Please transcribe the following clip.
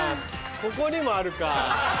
ここにもあるか。